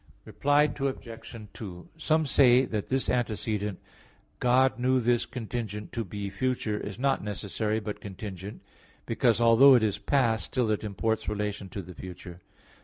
Reply Obj. 2: Some say that this antecedent, "God knew this contingent to be future," is not necessary, but contingent; because, although it is past, still it imports relation to the future.